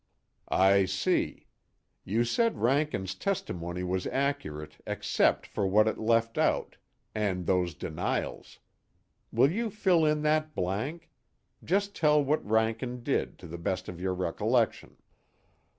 "I see. You said Rankin's testimony was accurate except for what it left out, and those denials. Will you fill in that blank? Just tell what Rankin did, to the best of your recollection."